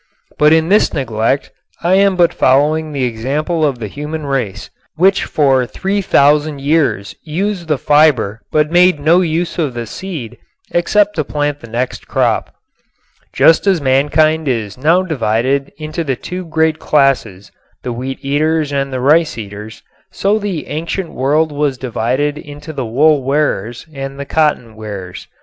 But in this neglect I am but following the example of the human race, which for three thousand years used the fiber but made no use of the seed except to plant the next crop. Just as mankind is now divided into the two great classes, the wheat eaters and the rice eaters, so the ancient world was divided into the wool wearers and the cotton wearers.